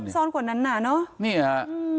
มันซับซ้อนกว่านั้นน่ะเนาะ